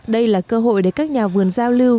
đây là cơ hội để các nhà vườn giao lưu